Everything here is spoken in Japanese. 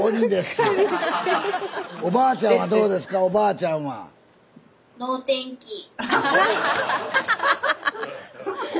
おばあちゃんは。